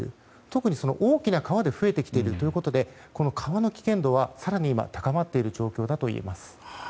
特に大きな川で増えてきているということでこの川の危険度更に今高まっている状況です。